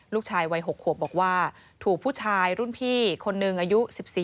ลูกชายวัย๖ขวบบอกว่าถูกผู้ชายรุ่นพี่คนหนึ่งอายุ๑๔